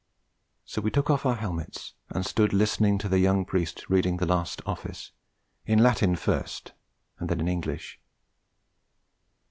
So we took off our helmets and stood listening to the young priest reading the last office, in Latin first and then in English.